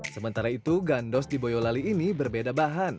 sementara itu gandos di boyolali ini berbeda bahan